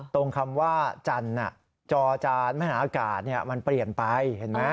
ตรงคำว่าจอจานแม่งอากาศเนี่ยมันเปลี่ยนไป